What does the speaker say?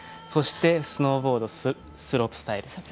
そしてスノーボード・スロープスタイル。